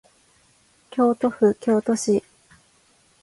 京都府京都市